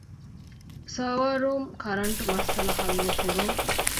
ސަރވަރ ރޫމް ކަރަންޓު މައްސަލަ ޙައްލުކުރުން